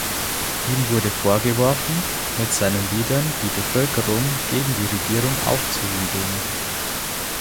Ihm wurde vorgeworfen, mit seinen Liedern die Bevölkerung gegen die Regierung aufzuwiegeln.